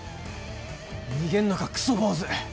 逃げんのかクソ坊主。